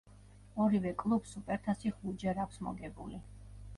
ორივე კლუბს სუპერთასი ხუთჯერ აქვს მოგებული.